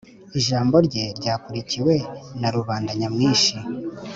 Ijambo rye ryakurikiwe na rubanda nyamwinshi